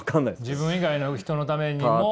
自分以外の人のためにも。